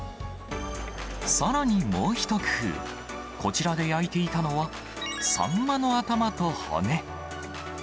さらにもう一工夫、こちらで焼いていたのは、サンマの頭と骨。